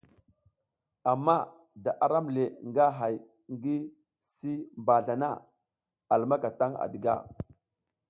Ama da aram le nga hay ngi si mbazla na a lumaka tan à diga.